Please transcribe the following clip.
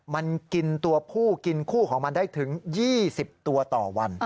มันกินตัวผู้กินคู่ของมันได้ถึง๒๐ตัวต่อวัน